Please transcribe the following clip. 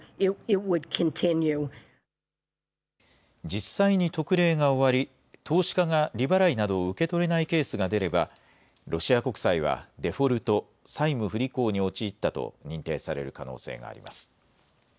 実際に特例が終わり投資家が利払いなどを受け取れないケースが出ればロシア国債はデフォルト・債務不履行に陥ったと認定される可能性があります。